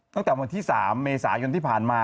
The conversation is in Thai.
ตั้งแต่วันที่๓เมษายนที่ผ่านมา